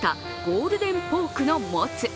ゴールデンポークのモツ。